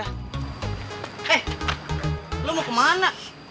eh lo mau kemana